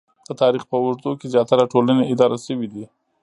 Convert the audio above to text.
د تاریخ په اوږدو کې زیاتره ټولنې اداره شوې دي